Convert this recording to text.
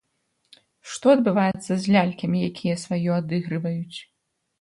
Што адбываецца з лялькамі, якія сваё адыгрываюць?